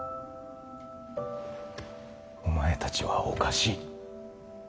お前たちはおかしい。